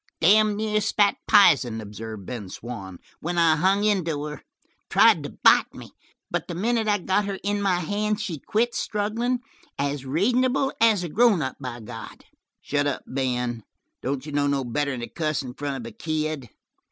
"Damed near spat pizen," observed Ben Swann, "when I hung into her tried to bite me, but the minute I got her in my hands she quit strugglin', as reasonable as a grown up, by God!" "Shut up, Ben. Don't you know no better'n to cuss in front of a kid?"